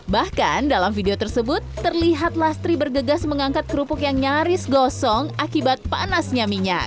bahkan dalam video tersebut terlihat lastri bergegas mengangkat kerupuk yang nyaris gosong akibat panasnya minyak